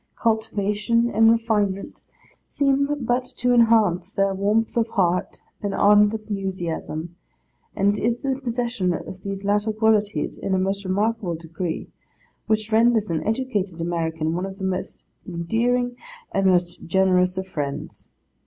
Cultivation and refinement seem but to enhance their warmth of heart and ardent enthusiasm; and it is the possession of these latter qualities in a most remarkable degree, which renders an educated American one of the most endearing and most generous of friends.